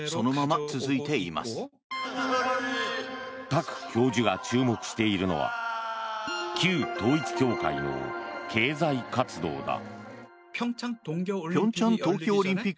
タク教授が注目しているのは旧統一教会の経済活動だ。